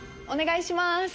お願いいたします。